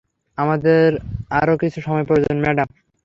আমাদের আরও কিছু সময় প্রয়োজন, ম্যাডাম।